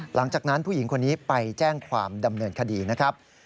หลังจากนั้นผู้หญิงคนนี้ไปแจ้งความดำเนินคดีนะครับ